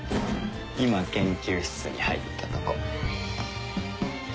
今研究室に入ったとこ。